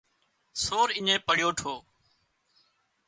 سور اڃين پڙيو ٺو